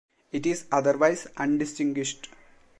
It is otherwise undistinguished.